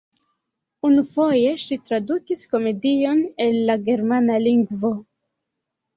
Unufoje ŝi tradukis komedion el la germana lingvo.